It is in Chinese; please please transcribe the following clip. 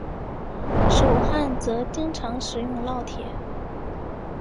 手焊则经常使用烙铁。